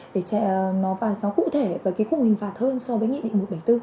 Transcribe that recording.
để nó cụ thể và cái khung hình phạt hơn so với nghị định một trăm bảy mươi bốn